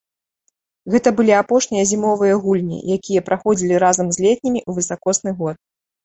Гэта былі апошнія зімовыя гульні, якія праходзілі разам з летнімі ў высакосны год.